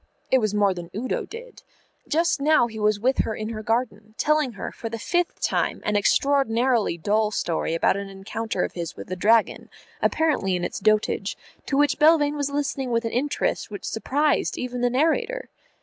It was more than Udo did. Just now he was with her in her garden, telling her for the fifth time an extraordinarily dull story about an encounter of his with a dragon, apparently in its dotage, to which Belvane was listening with an interest which surprised even the narrator.